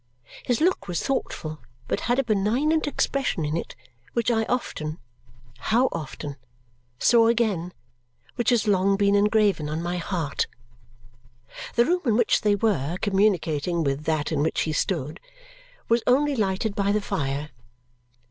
His look was thoughtful, but had a benignant expression in it which I often (how often!) saw again, which has long been engraven on my heart. The room in which they were, communicating with that in which he stood, was only lighted by the fire.